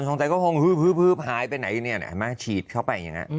ของใต้ก็คงฮือพ้ายไปไหนเนี่ยมาฉีดเข้าไปอย่างนี้